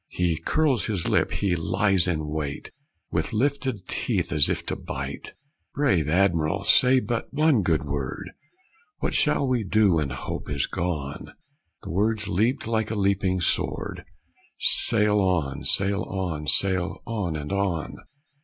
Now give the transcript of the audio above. He curls his lip, he lies in wait, With lifted teeth, as if to bite! Brave Adm'r'l, say but one good word: What shall we do when hope is gone?" The words leapt like a leaping sword: "Sail on! sail on! sail on! and on!"